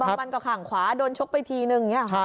บางวันก็ขังขวาโดนชกไปทีนึงอย่างนี้อ่ะ